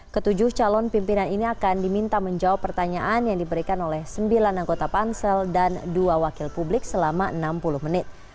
ketujuh calon pimpinan ini akan diminta menjawab pertanyaan yang diberikan oleh sembilan anggota pansel dan dua wakil publik selama enam puluh menit